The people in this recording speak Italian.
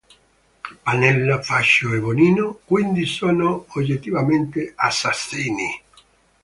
Pannella, Faccio e Bonino, quindi sono oggettivamente assassini".